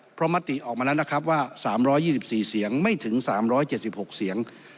เพราะมติออกมาแล้วนะครับว่า๓๒๔เสียงไม่ถึง๓๗๖เสียง